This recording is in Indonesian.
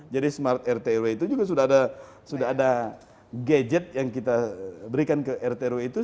jadi smart rt rw itu juga sudah ada gadget yang kita berikan ke rt rw itu